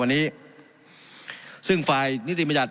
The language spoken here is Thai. การปรับปรุงทางพื้นฐานสนามบิน